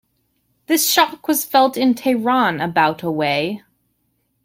This shock was felt in Tehran, about away.